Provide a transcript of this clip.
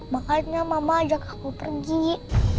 makanya mama ajak aku pergi